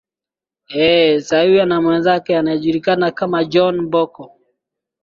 ee sawia na mwenzake anayejulikana kama john mboko